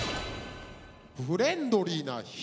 フレンドリーな「人」。